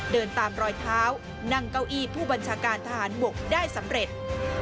เดินตามรอยเท้านั่งเก้าอี้ผู้บัญชาการทหารบกได้สำเร็จ